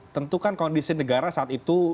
tentukan kondisi negara saat itu